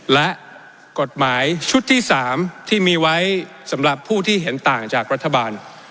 และกฎหมายชุดที่๓ที่มีไว้สำหรับผู้ที่เห็นต่างจากรัฐบาล